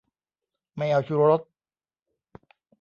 ไม่เอาชูรส